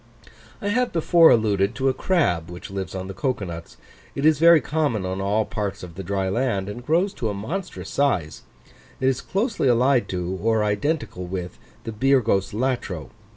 I have before alluded to a crab which lives on the cocoa nuts; it is very common on all parts of the dry land, and grows to a monstrous size: it is closely allied or identical with the Birgos latro.